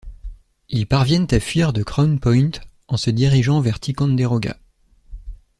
Ils parviennent à fuir de Crown Point en se dirigeant vers Ticonderoga.